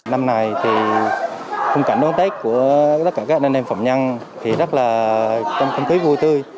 năm này thì khung cảnh đón tết của tất cả các anh em phạm nhân thì rất là trong không khí vui tươi